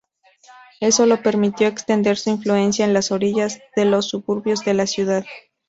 Eso le permitió extender su influencia en las "orillas", los suburbios de la ciudad.